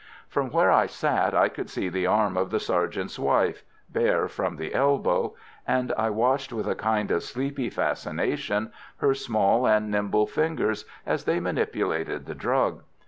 From where I sat I could see the arm of the sergeant's wife bare from the elbow and I watched with a kind of sleepy fascination her small and nimble fingers as they manipulated the drug.